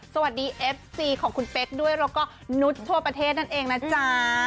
สวัสดีเอฟซีของคุณเป๊กด้วยแล้วก็นุษย์ทั่วประเทศนั่นเองนะจ๊ะ